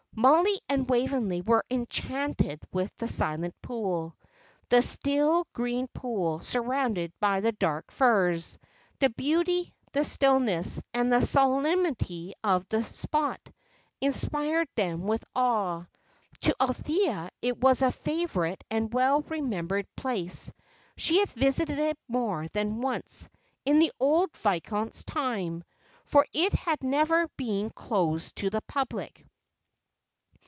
Mollie and Waveney were enchanted with the Silent Pool. The still, green pool, surrounded by the dark firs, the beauty, the stillness, and the solemnity of the spot, inspired them with awe. To Althea it was a favourite and well remembered place. She had visited it more than once, in the old viscount's time. For it had never been closed to the public.